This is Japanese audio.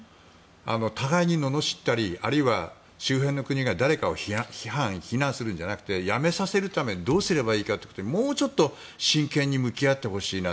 互いに罵ったりあるいは周辺の国が誰かを非難するんじゃなくてやめさせるためにどうすればいいのかもうちょっと真剣に向き合ってほしいな。